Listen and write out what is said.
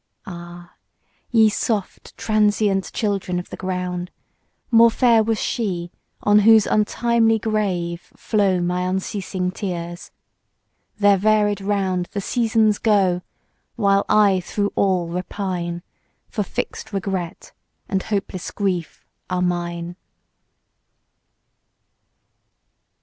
Ah! ye soft, transient, children of the ground, More fair was she on whose untimely grave Flow my unceasing tears! Their varied round The Seasons go; while I through all repine: For fix'd regret, and hopeless grief are mine.